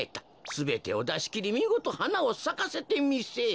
すべてをだしきりみごとはなをさかせてみせい。